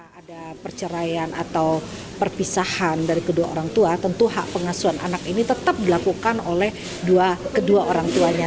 karena ada perceraian atau perpisahan dari kedua orang tua tentu hak pengasuhan anak ini tetap dilakukan oleh kedua orang tuanya